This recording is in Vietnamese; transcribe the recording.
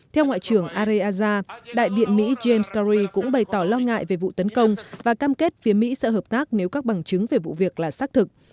theo ngoại trưởng areaza đại biện mỹ james story cũng bày tỏ lo ngại về vụ tấn công và cam kết phía mỹ sẽ hợp tác nếu các bằng chứng về vụ việc là xác thực